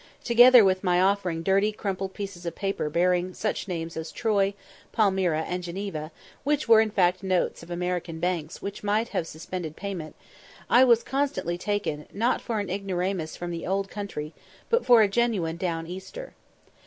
together with my offering dirty crumpled pieces of paper bearing such names as Troy, Palmyra, and Geneva, which were in fact notes of American banks which might have suspended payment, I was constantly taken, not for an ignoramus from the "Old Country," but for a "genuine Down Easter."